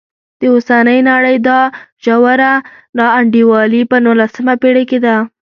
د اوسنۍ نړۍ دا ژوره نا انډولي په نولسمه پېړۍ کې ده.